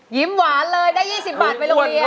หวานเลยได้๒๐บาทไปโรงเรียน